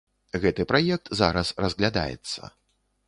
Гэты праект зараз разглядаецца.